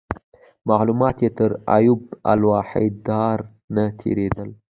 معلومات یې تر ایوب احوالدار نه تیرېدل.